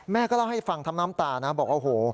เล่าให้ฟังทั้งน้ำตานะบอกว่าโอ้โห